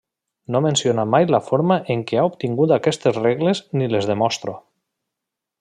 No menciona mai la forma en què ha obtingut aquestes regles ni les demostra.